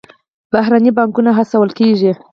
بهرنۍ پانګونه هڅول کیږي